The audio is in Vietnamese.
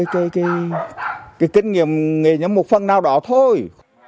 cái kinh nghiệm nghệ nhân một phần nào đó thôi